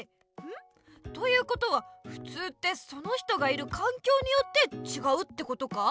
ん？ということはふつうってその人がいるかんきょうによってちがうってことか。